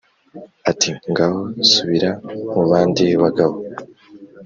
ati"ngaho subira mubandi bagabo "